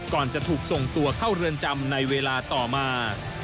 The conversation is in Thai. ก่อนจะถูกส่งตัวเข้าเรือนจำในเวลาต่อมา